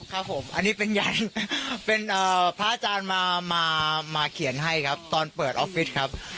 ครับผมอันนี้เป็นยันเป็นพระอาจารย์มาเขียนให้ครับตอนเปิดออฟฟิศครับ